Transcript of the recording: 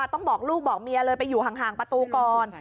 ต้องบอกลูกบอกเมียเลยไปอยู่ห่างประตูก่อน